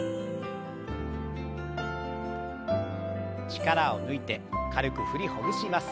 力を抜いて軽く振りほぐします。